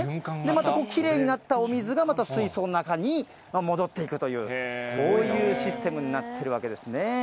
またきれいになったお水が、また水槽の中に戻っていくという、そういうシステムになってるわけですね。